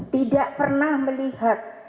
tidak pernah melihat